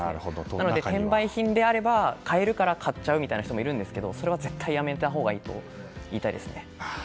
なので転売品なら買えるから買っちゃうみたいな人もいますがそれは絶対やめたほうがいいと言いたいですね。